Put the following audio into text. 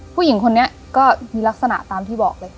ผู้หญิงคนนี้ก็มีลักษณะตามที่บอกเลย